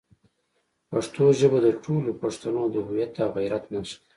پښتو ژبه د ټولو پښتنو د هویت او غیرت نښه ده.